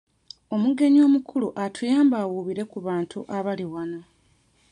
Omugenyi omukulu atuyambe awuubire ku bantu abali wano.